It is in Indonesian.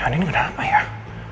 anin ada sgasps pernah